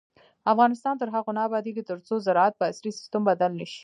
افغانستان تر هغو نه ابادیږي، ترڅو زراعت په عصري سیستم بدل نشي.